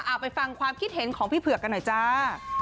ไปฟังความคิดเห็นของพี่เผือกกันหน่อยจ้า